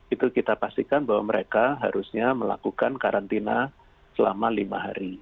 itu kita pastikan bahwa mereka harusnya melakukan karantina selama lima hari